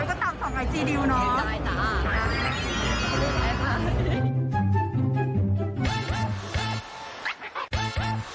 แล้วก็ตามสองไอจีดิวเนอะโอเคได้นะบ๊ายบาย